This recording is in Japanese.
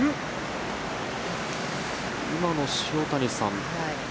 今の、塩谷さん。